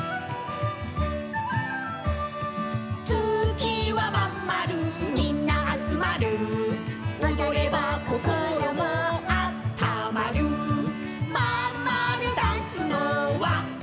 「月はまんまるみんなあつまる」「おどれば心もあったまる」「まんまるダンスのわわわ」